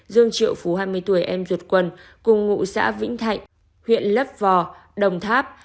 dương triệu phú hai mươi tuổi em ruột quần cùng ngụ xã vĩnh thạnh huyện lấp vò đồng tháp